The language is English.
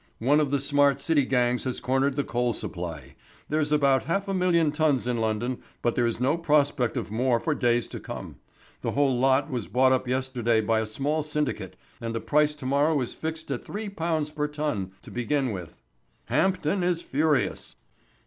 One of the smart city gangs has cornered the coal supply. There is about half a million tons in London, but there is no prospect of more for days to come. The whole lot was bought up yesterday by a small syndicate, and the price to morrow is fixed at three pounds per ton to begin with. Hampden is furious."